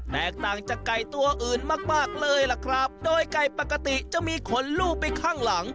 แตกต่างจากไก่ตัวอื่นมากมากเลยล่ะครับโดยไก่ปกติจะมีขนลูบไปข้างหลัง